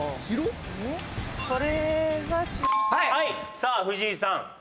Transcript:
さあ藤井さん